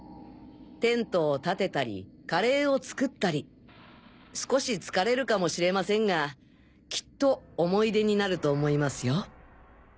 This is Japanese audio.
テントを建てたりカレーを作ったり少し疲れるかもしれませんがきっと思い出になると思いますよ。